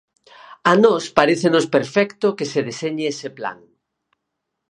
A nós parécenos perfecto que se deseñe ese plan.